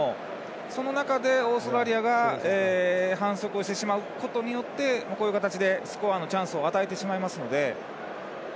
その中で、オーストラリアが反則をしてしまうことによってこういう形でスコアのチャンスを与えてしまいますので。